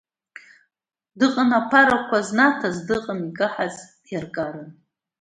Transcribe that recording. Дыҟан аԥарақәа знаҭаз, дыҟан икаҳаз, иаркаран.